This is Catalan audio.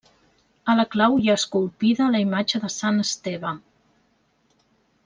A la clau hi ha esculpida la imatge de Sant Esteve.